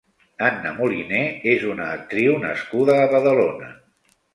Anna Moliner és una actriu nascuda a Badalona.